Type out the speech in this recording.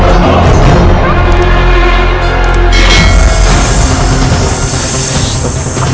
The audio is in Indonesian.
aku harus bisa keluar kini